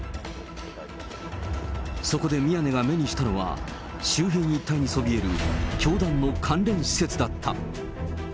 そこで宮根が目にしたのは、周辺一帯にそびえる、教団の関連施設